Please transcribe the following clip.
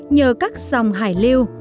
nhờ các dòng hải lưu